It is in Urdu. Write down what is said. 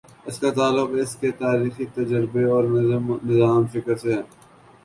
اس کا تعلق اس کے تاریخی تجربے اور نظام فکر سے ہے۔